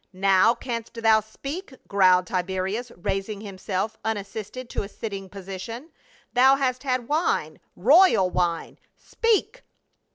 " Now, canst thou speak ?" growled Tiberius, rais ing himself unassisted to a sitting posture. " Thou hast had wine — royal wine. Speak